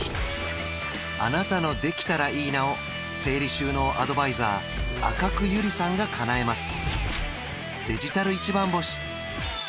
あなたの「できたらいいな」を整理収納アドバイザー赤工友里さんがかなえます